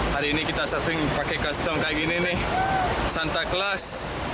hari ini kita surfing pakai kostum kayak gini nih santa kelas